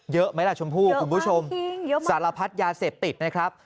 เยอะไหมล่ะชมพู่คุณผู้ชมสารพัดยาเสพติดนะครับ